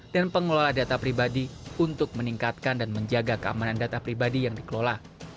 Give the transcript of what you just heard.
dan pengelola data pribadi untuk meningkatkan dan menjaga keamanan data pribadi yang dikelola